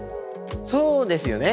そうですよね。